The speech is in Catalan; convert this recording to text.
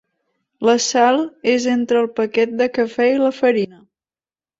La sal és entre el paquet de cafè i la farina.